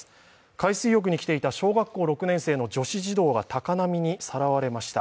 海水浴に来ていた小学校６年の女子児童が高波にさらわれました。